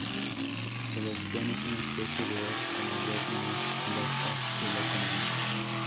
El ostión es una especie de ostra, mayor y más basta que la común.